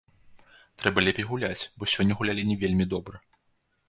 Трэба лепей гуляць, бо сёння гулялі не вельмі добра.